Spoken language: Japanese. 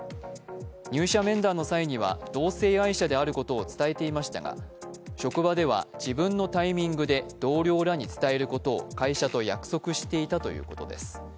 入社面談の際には同性愛者であることを伝えていましたが職場では自分のタイミングで同僚らへ伝えることを会社と約束していたということです。